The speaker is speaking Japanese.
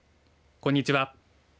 こんにちは。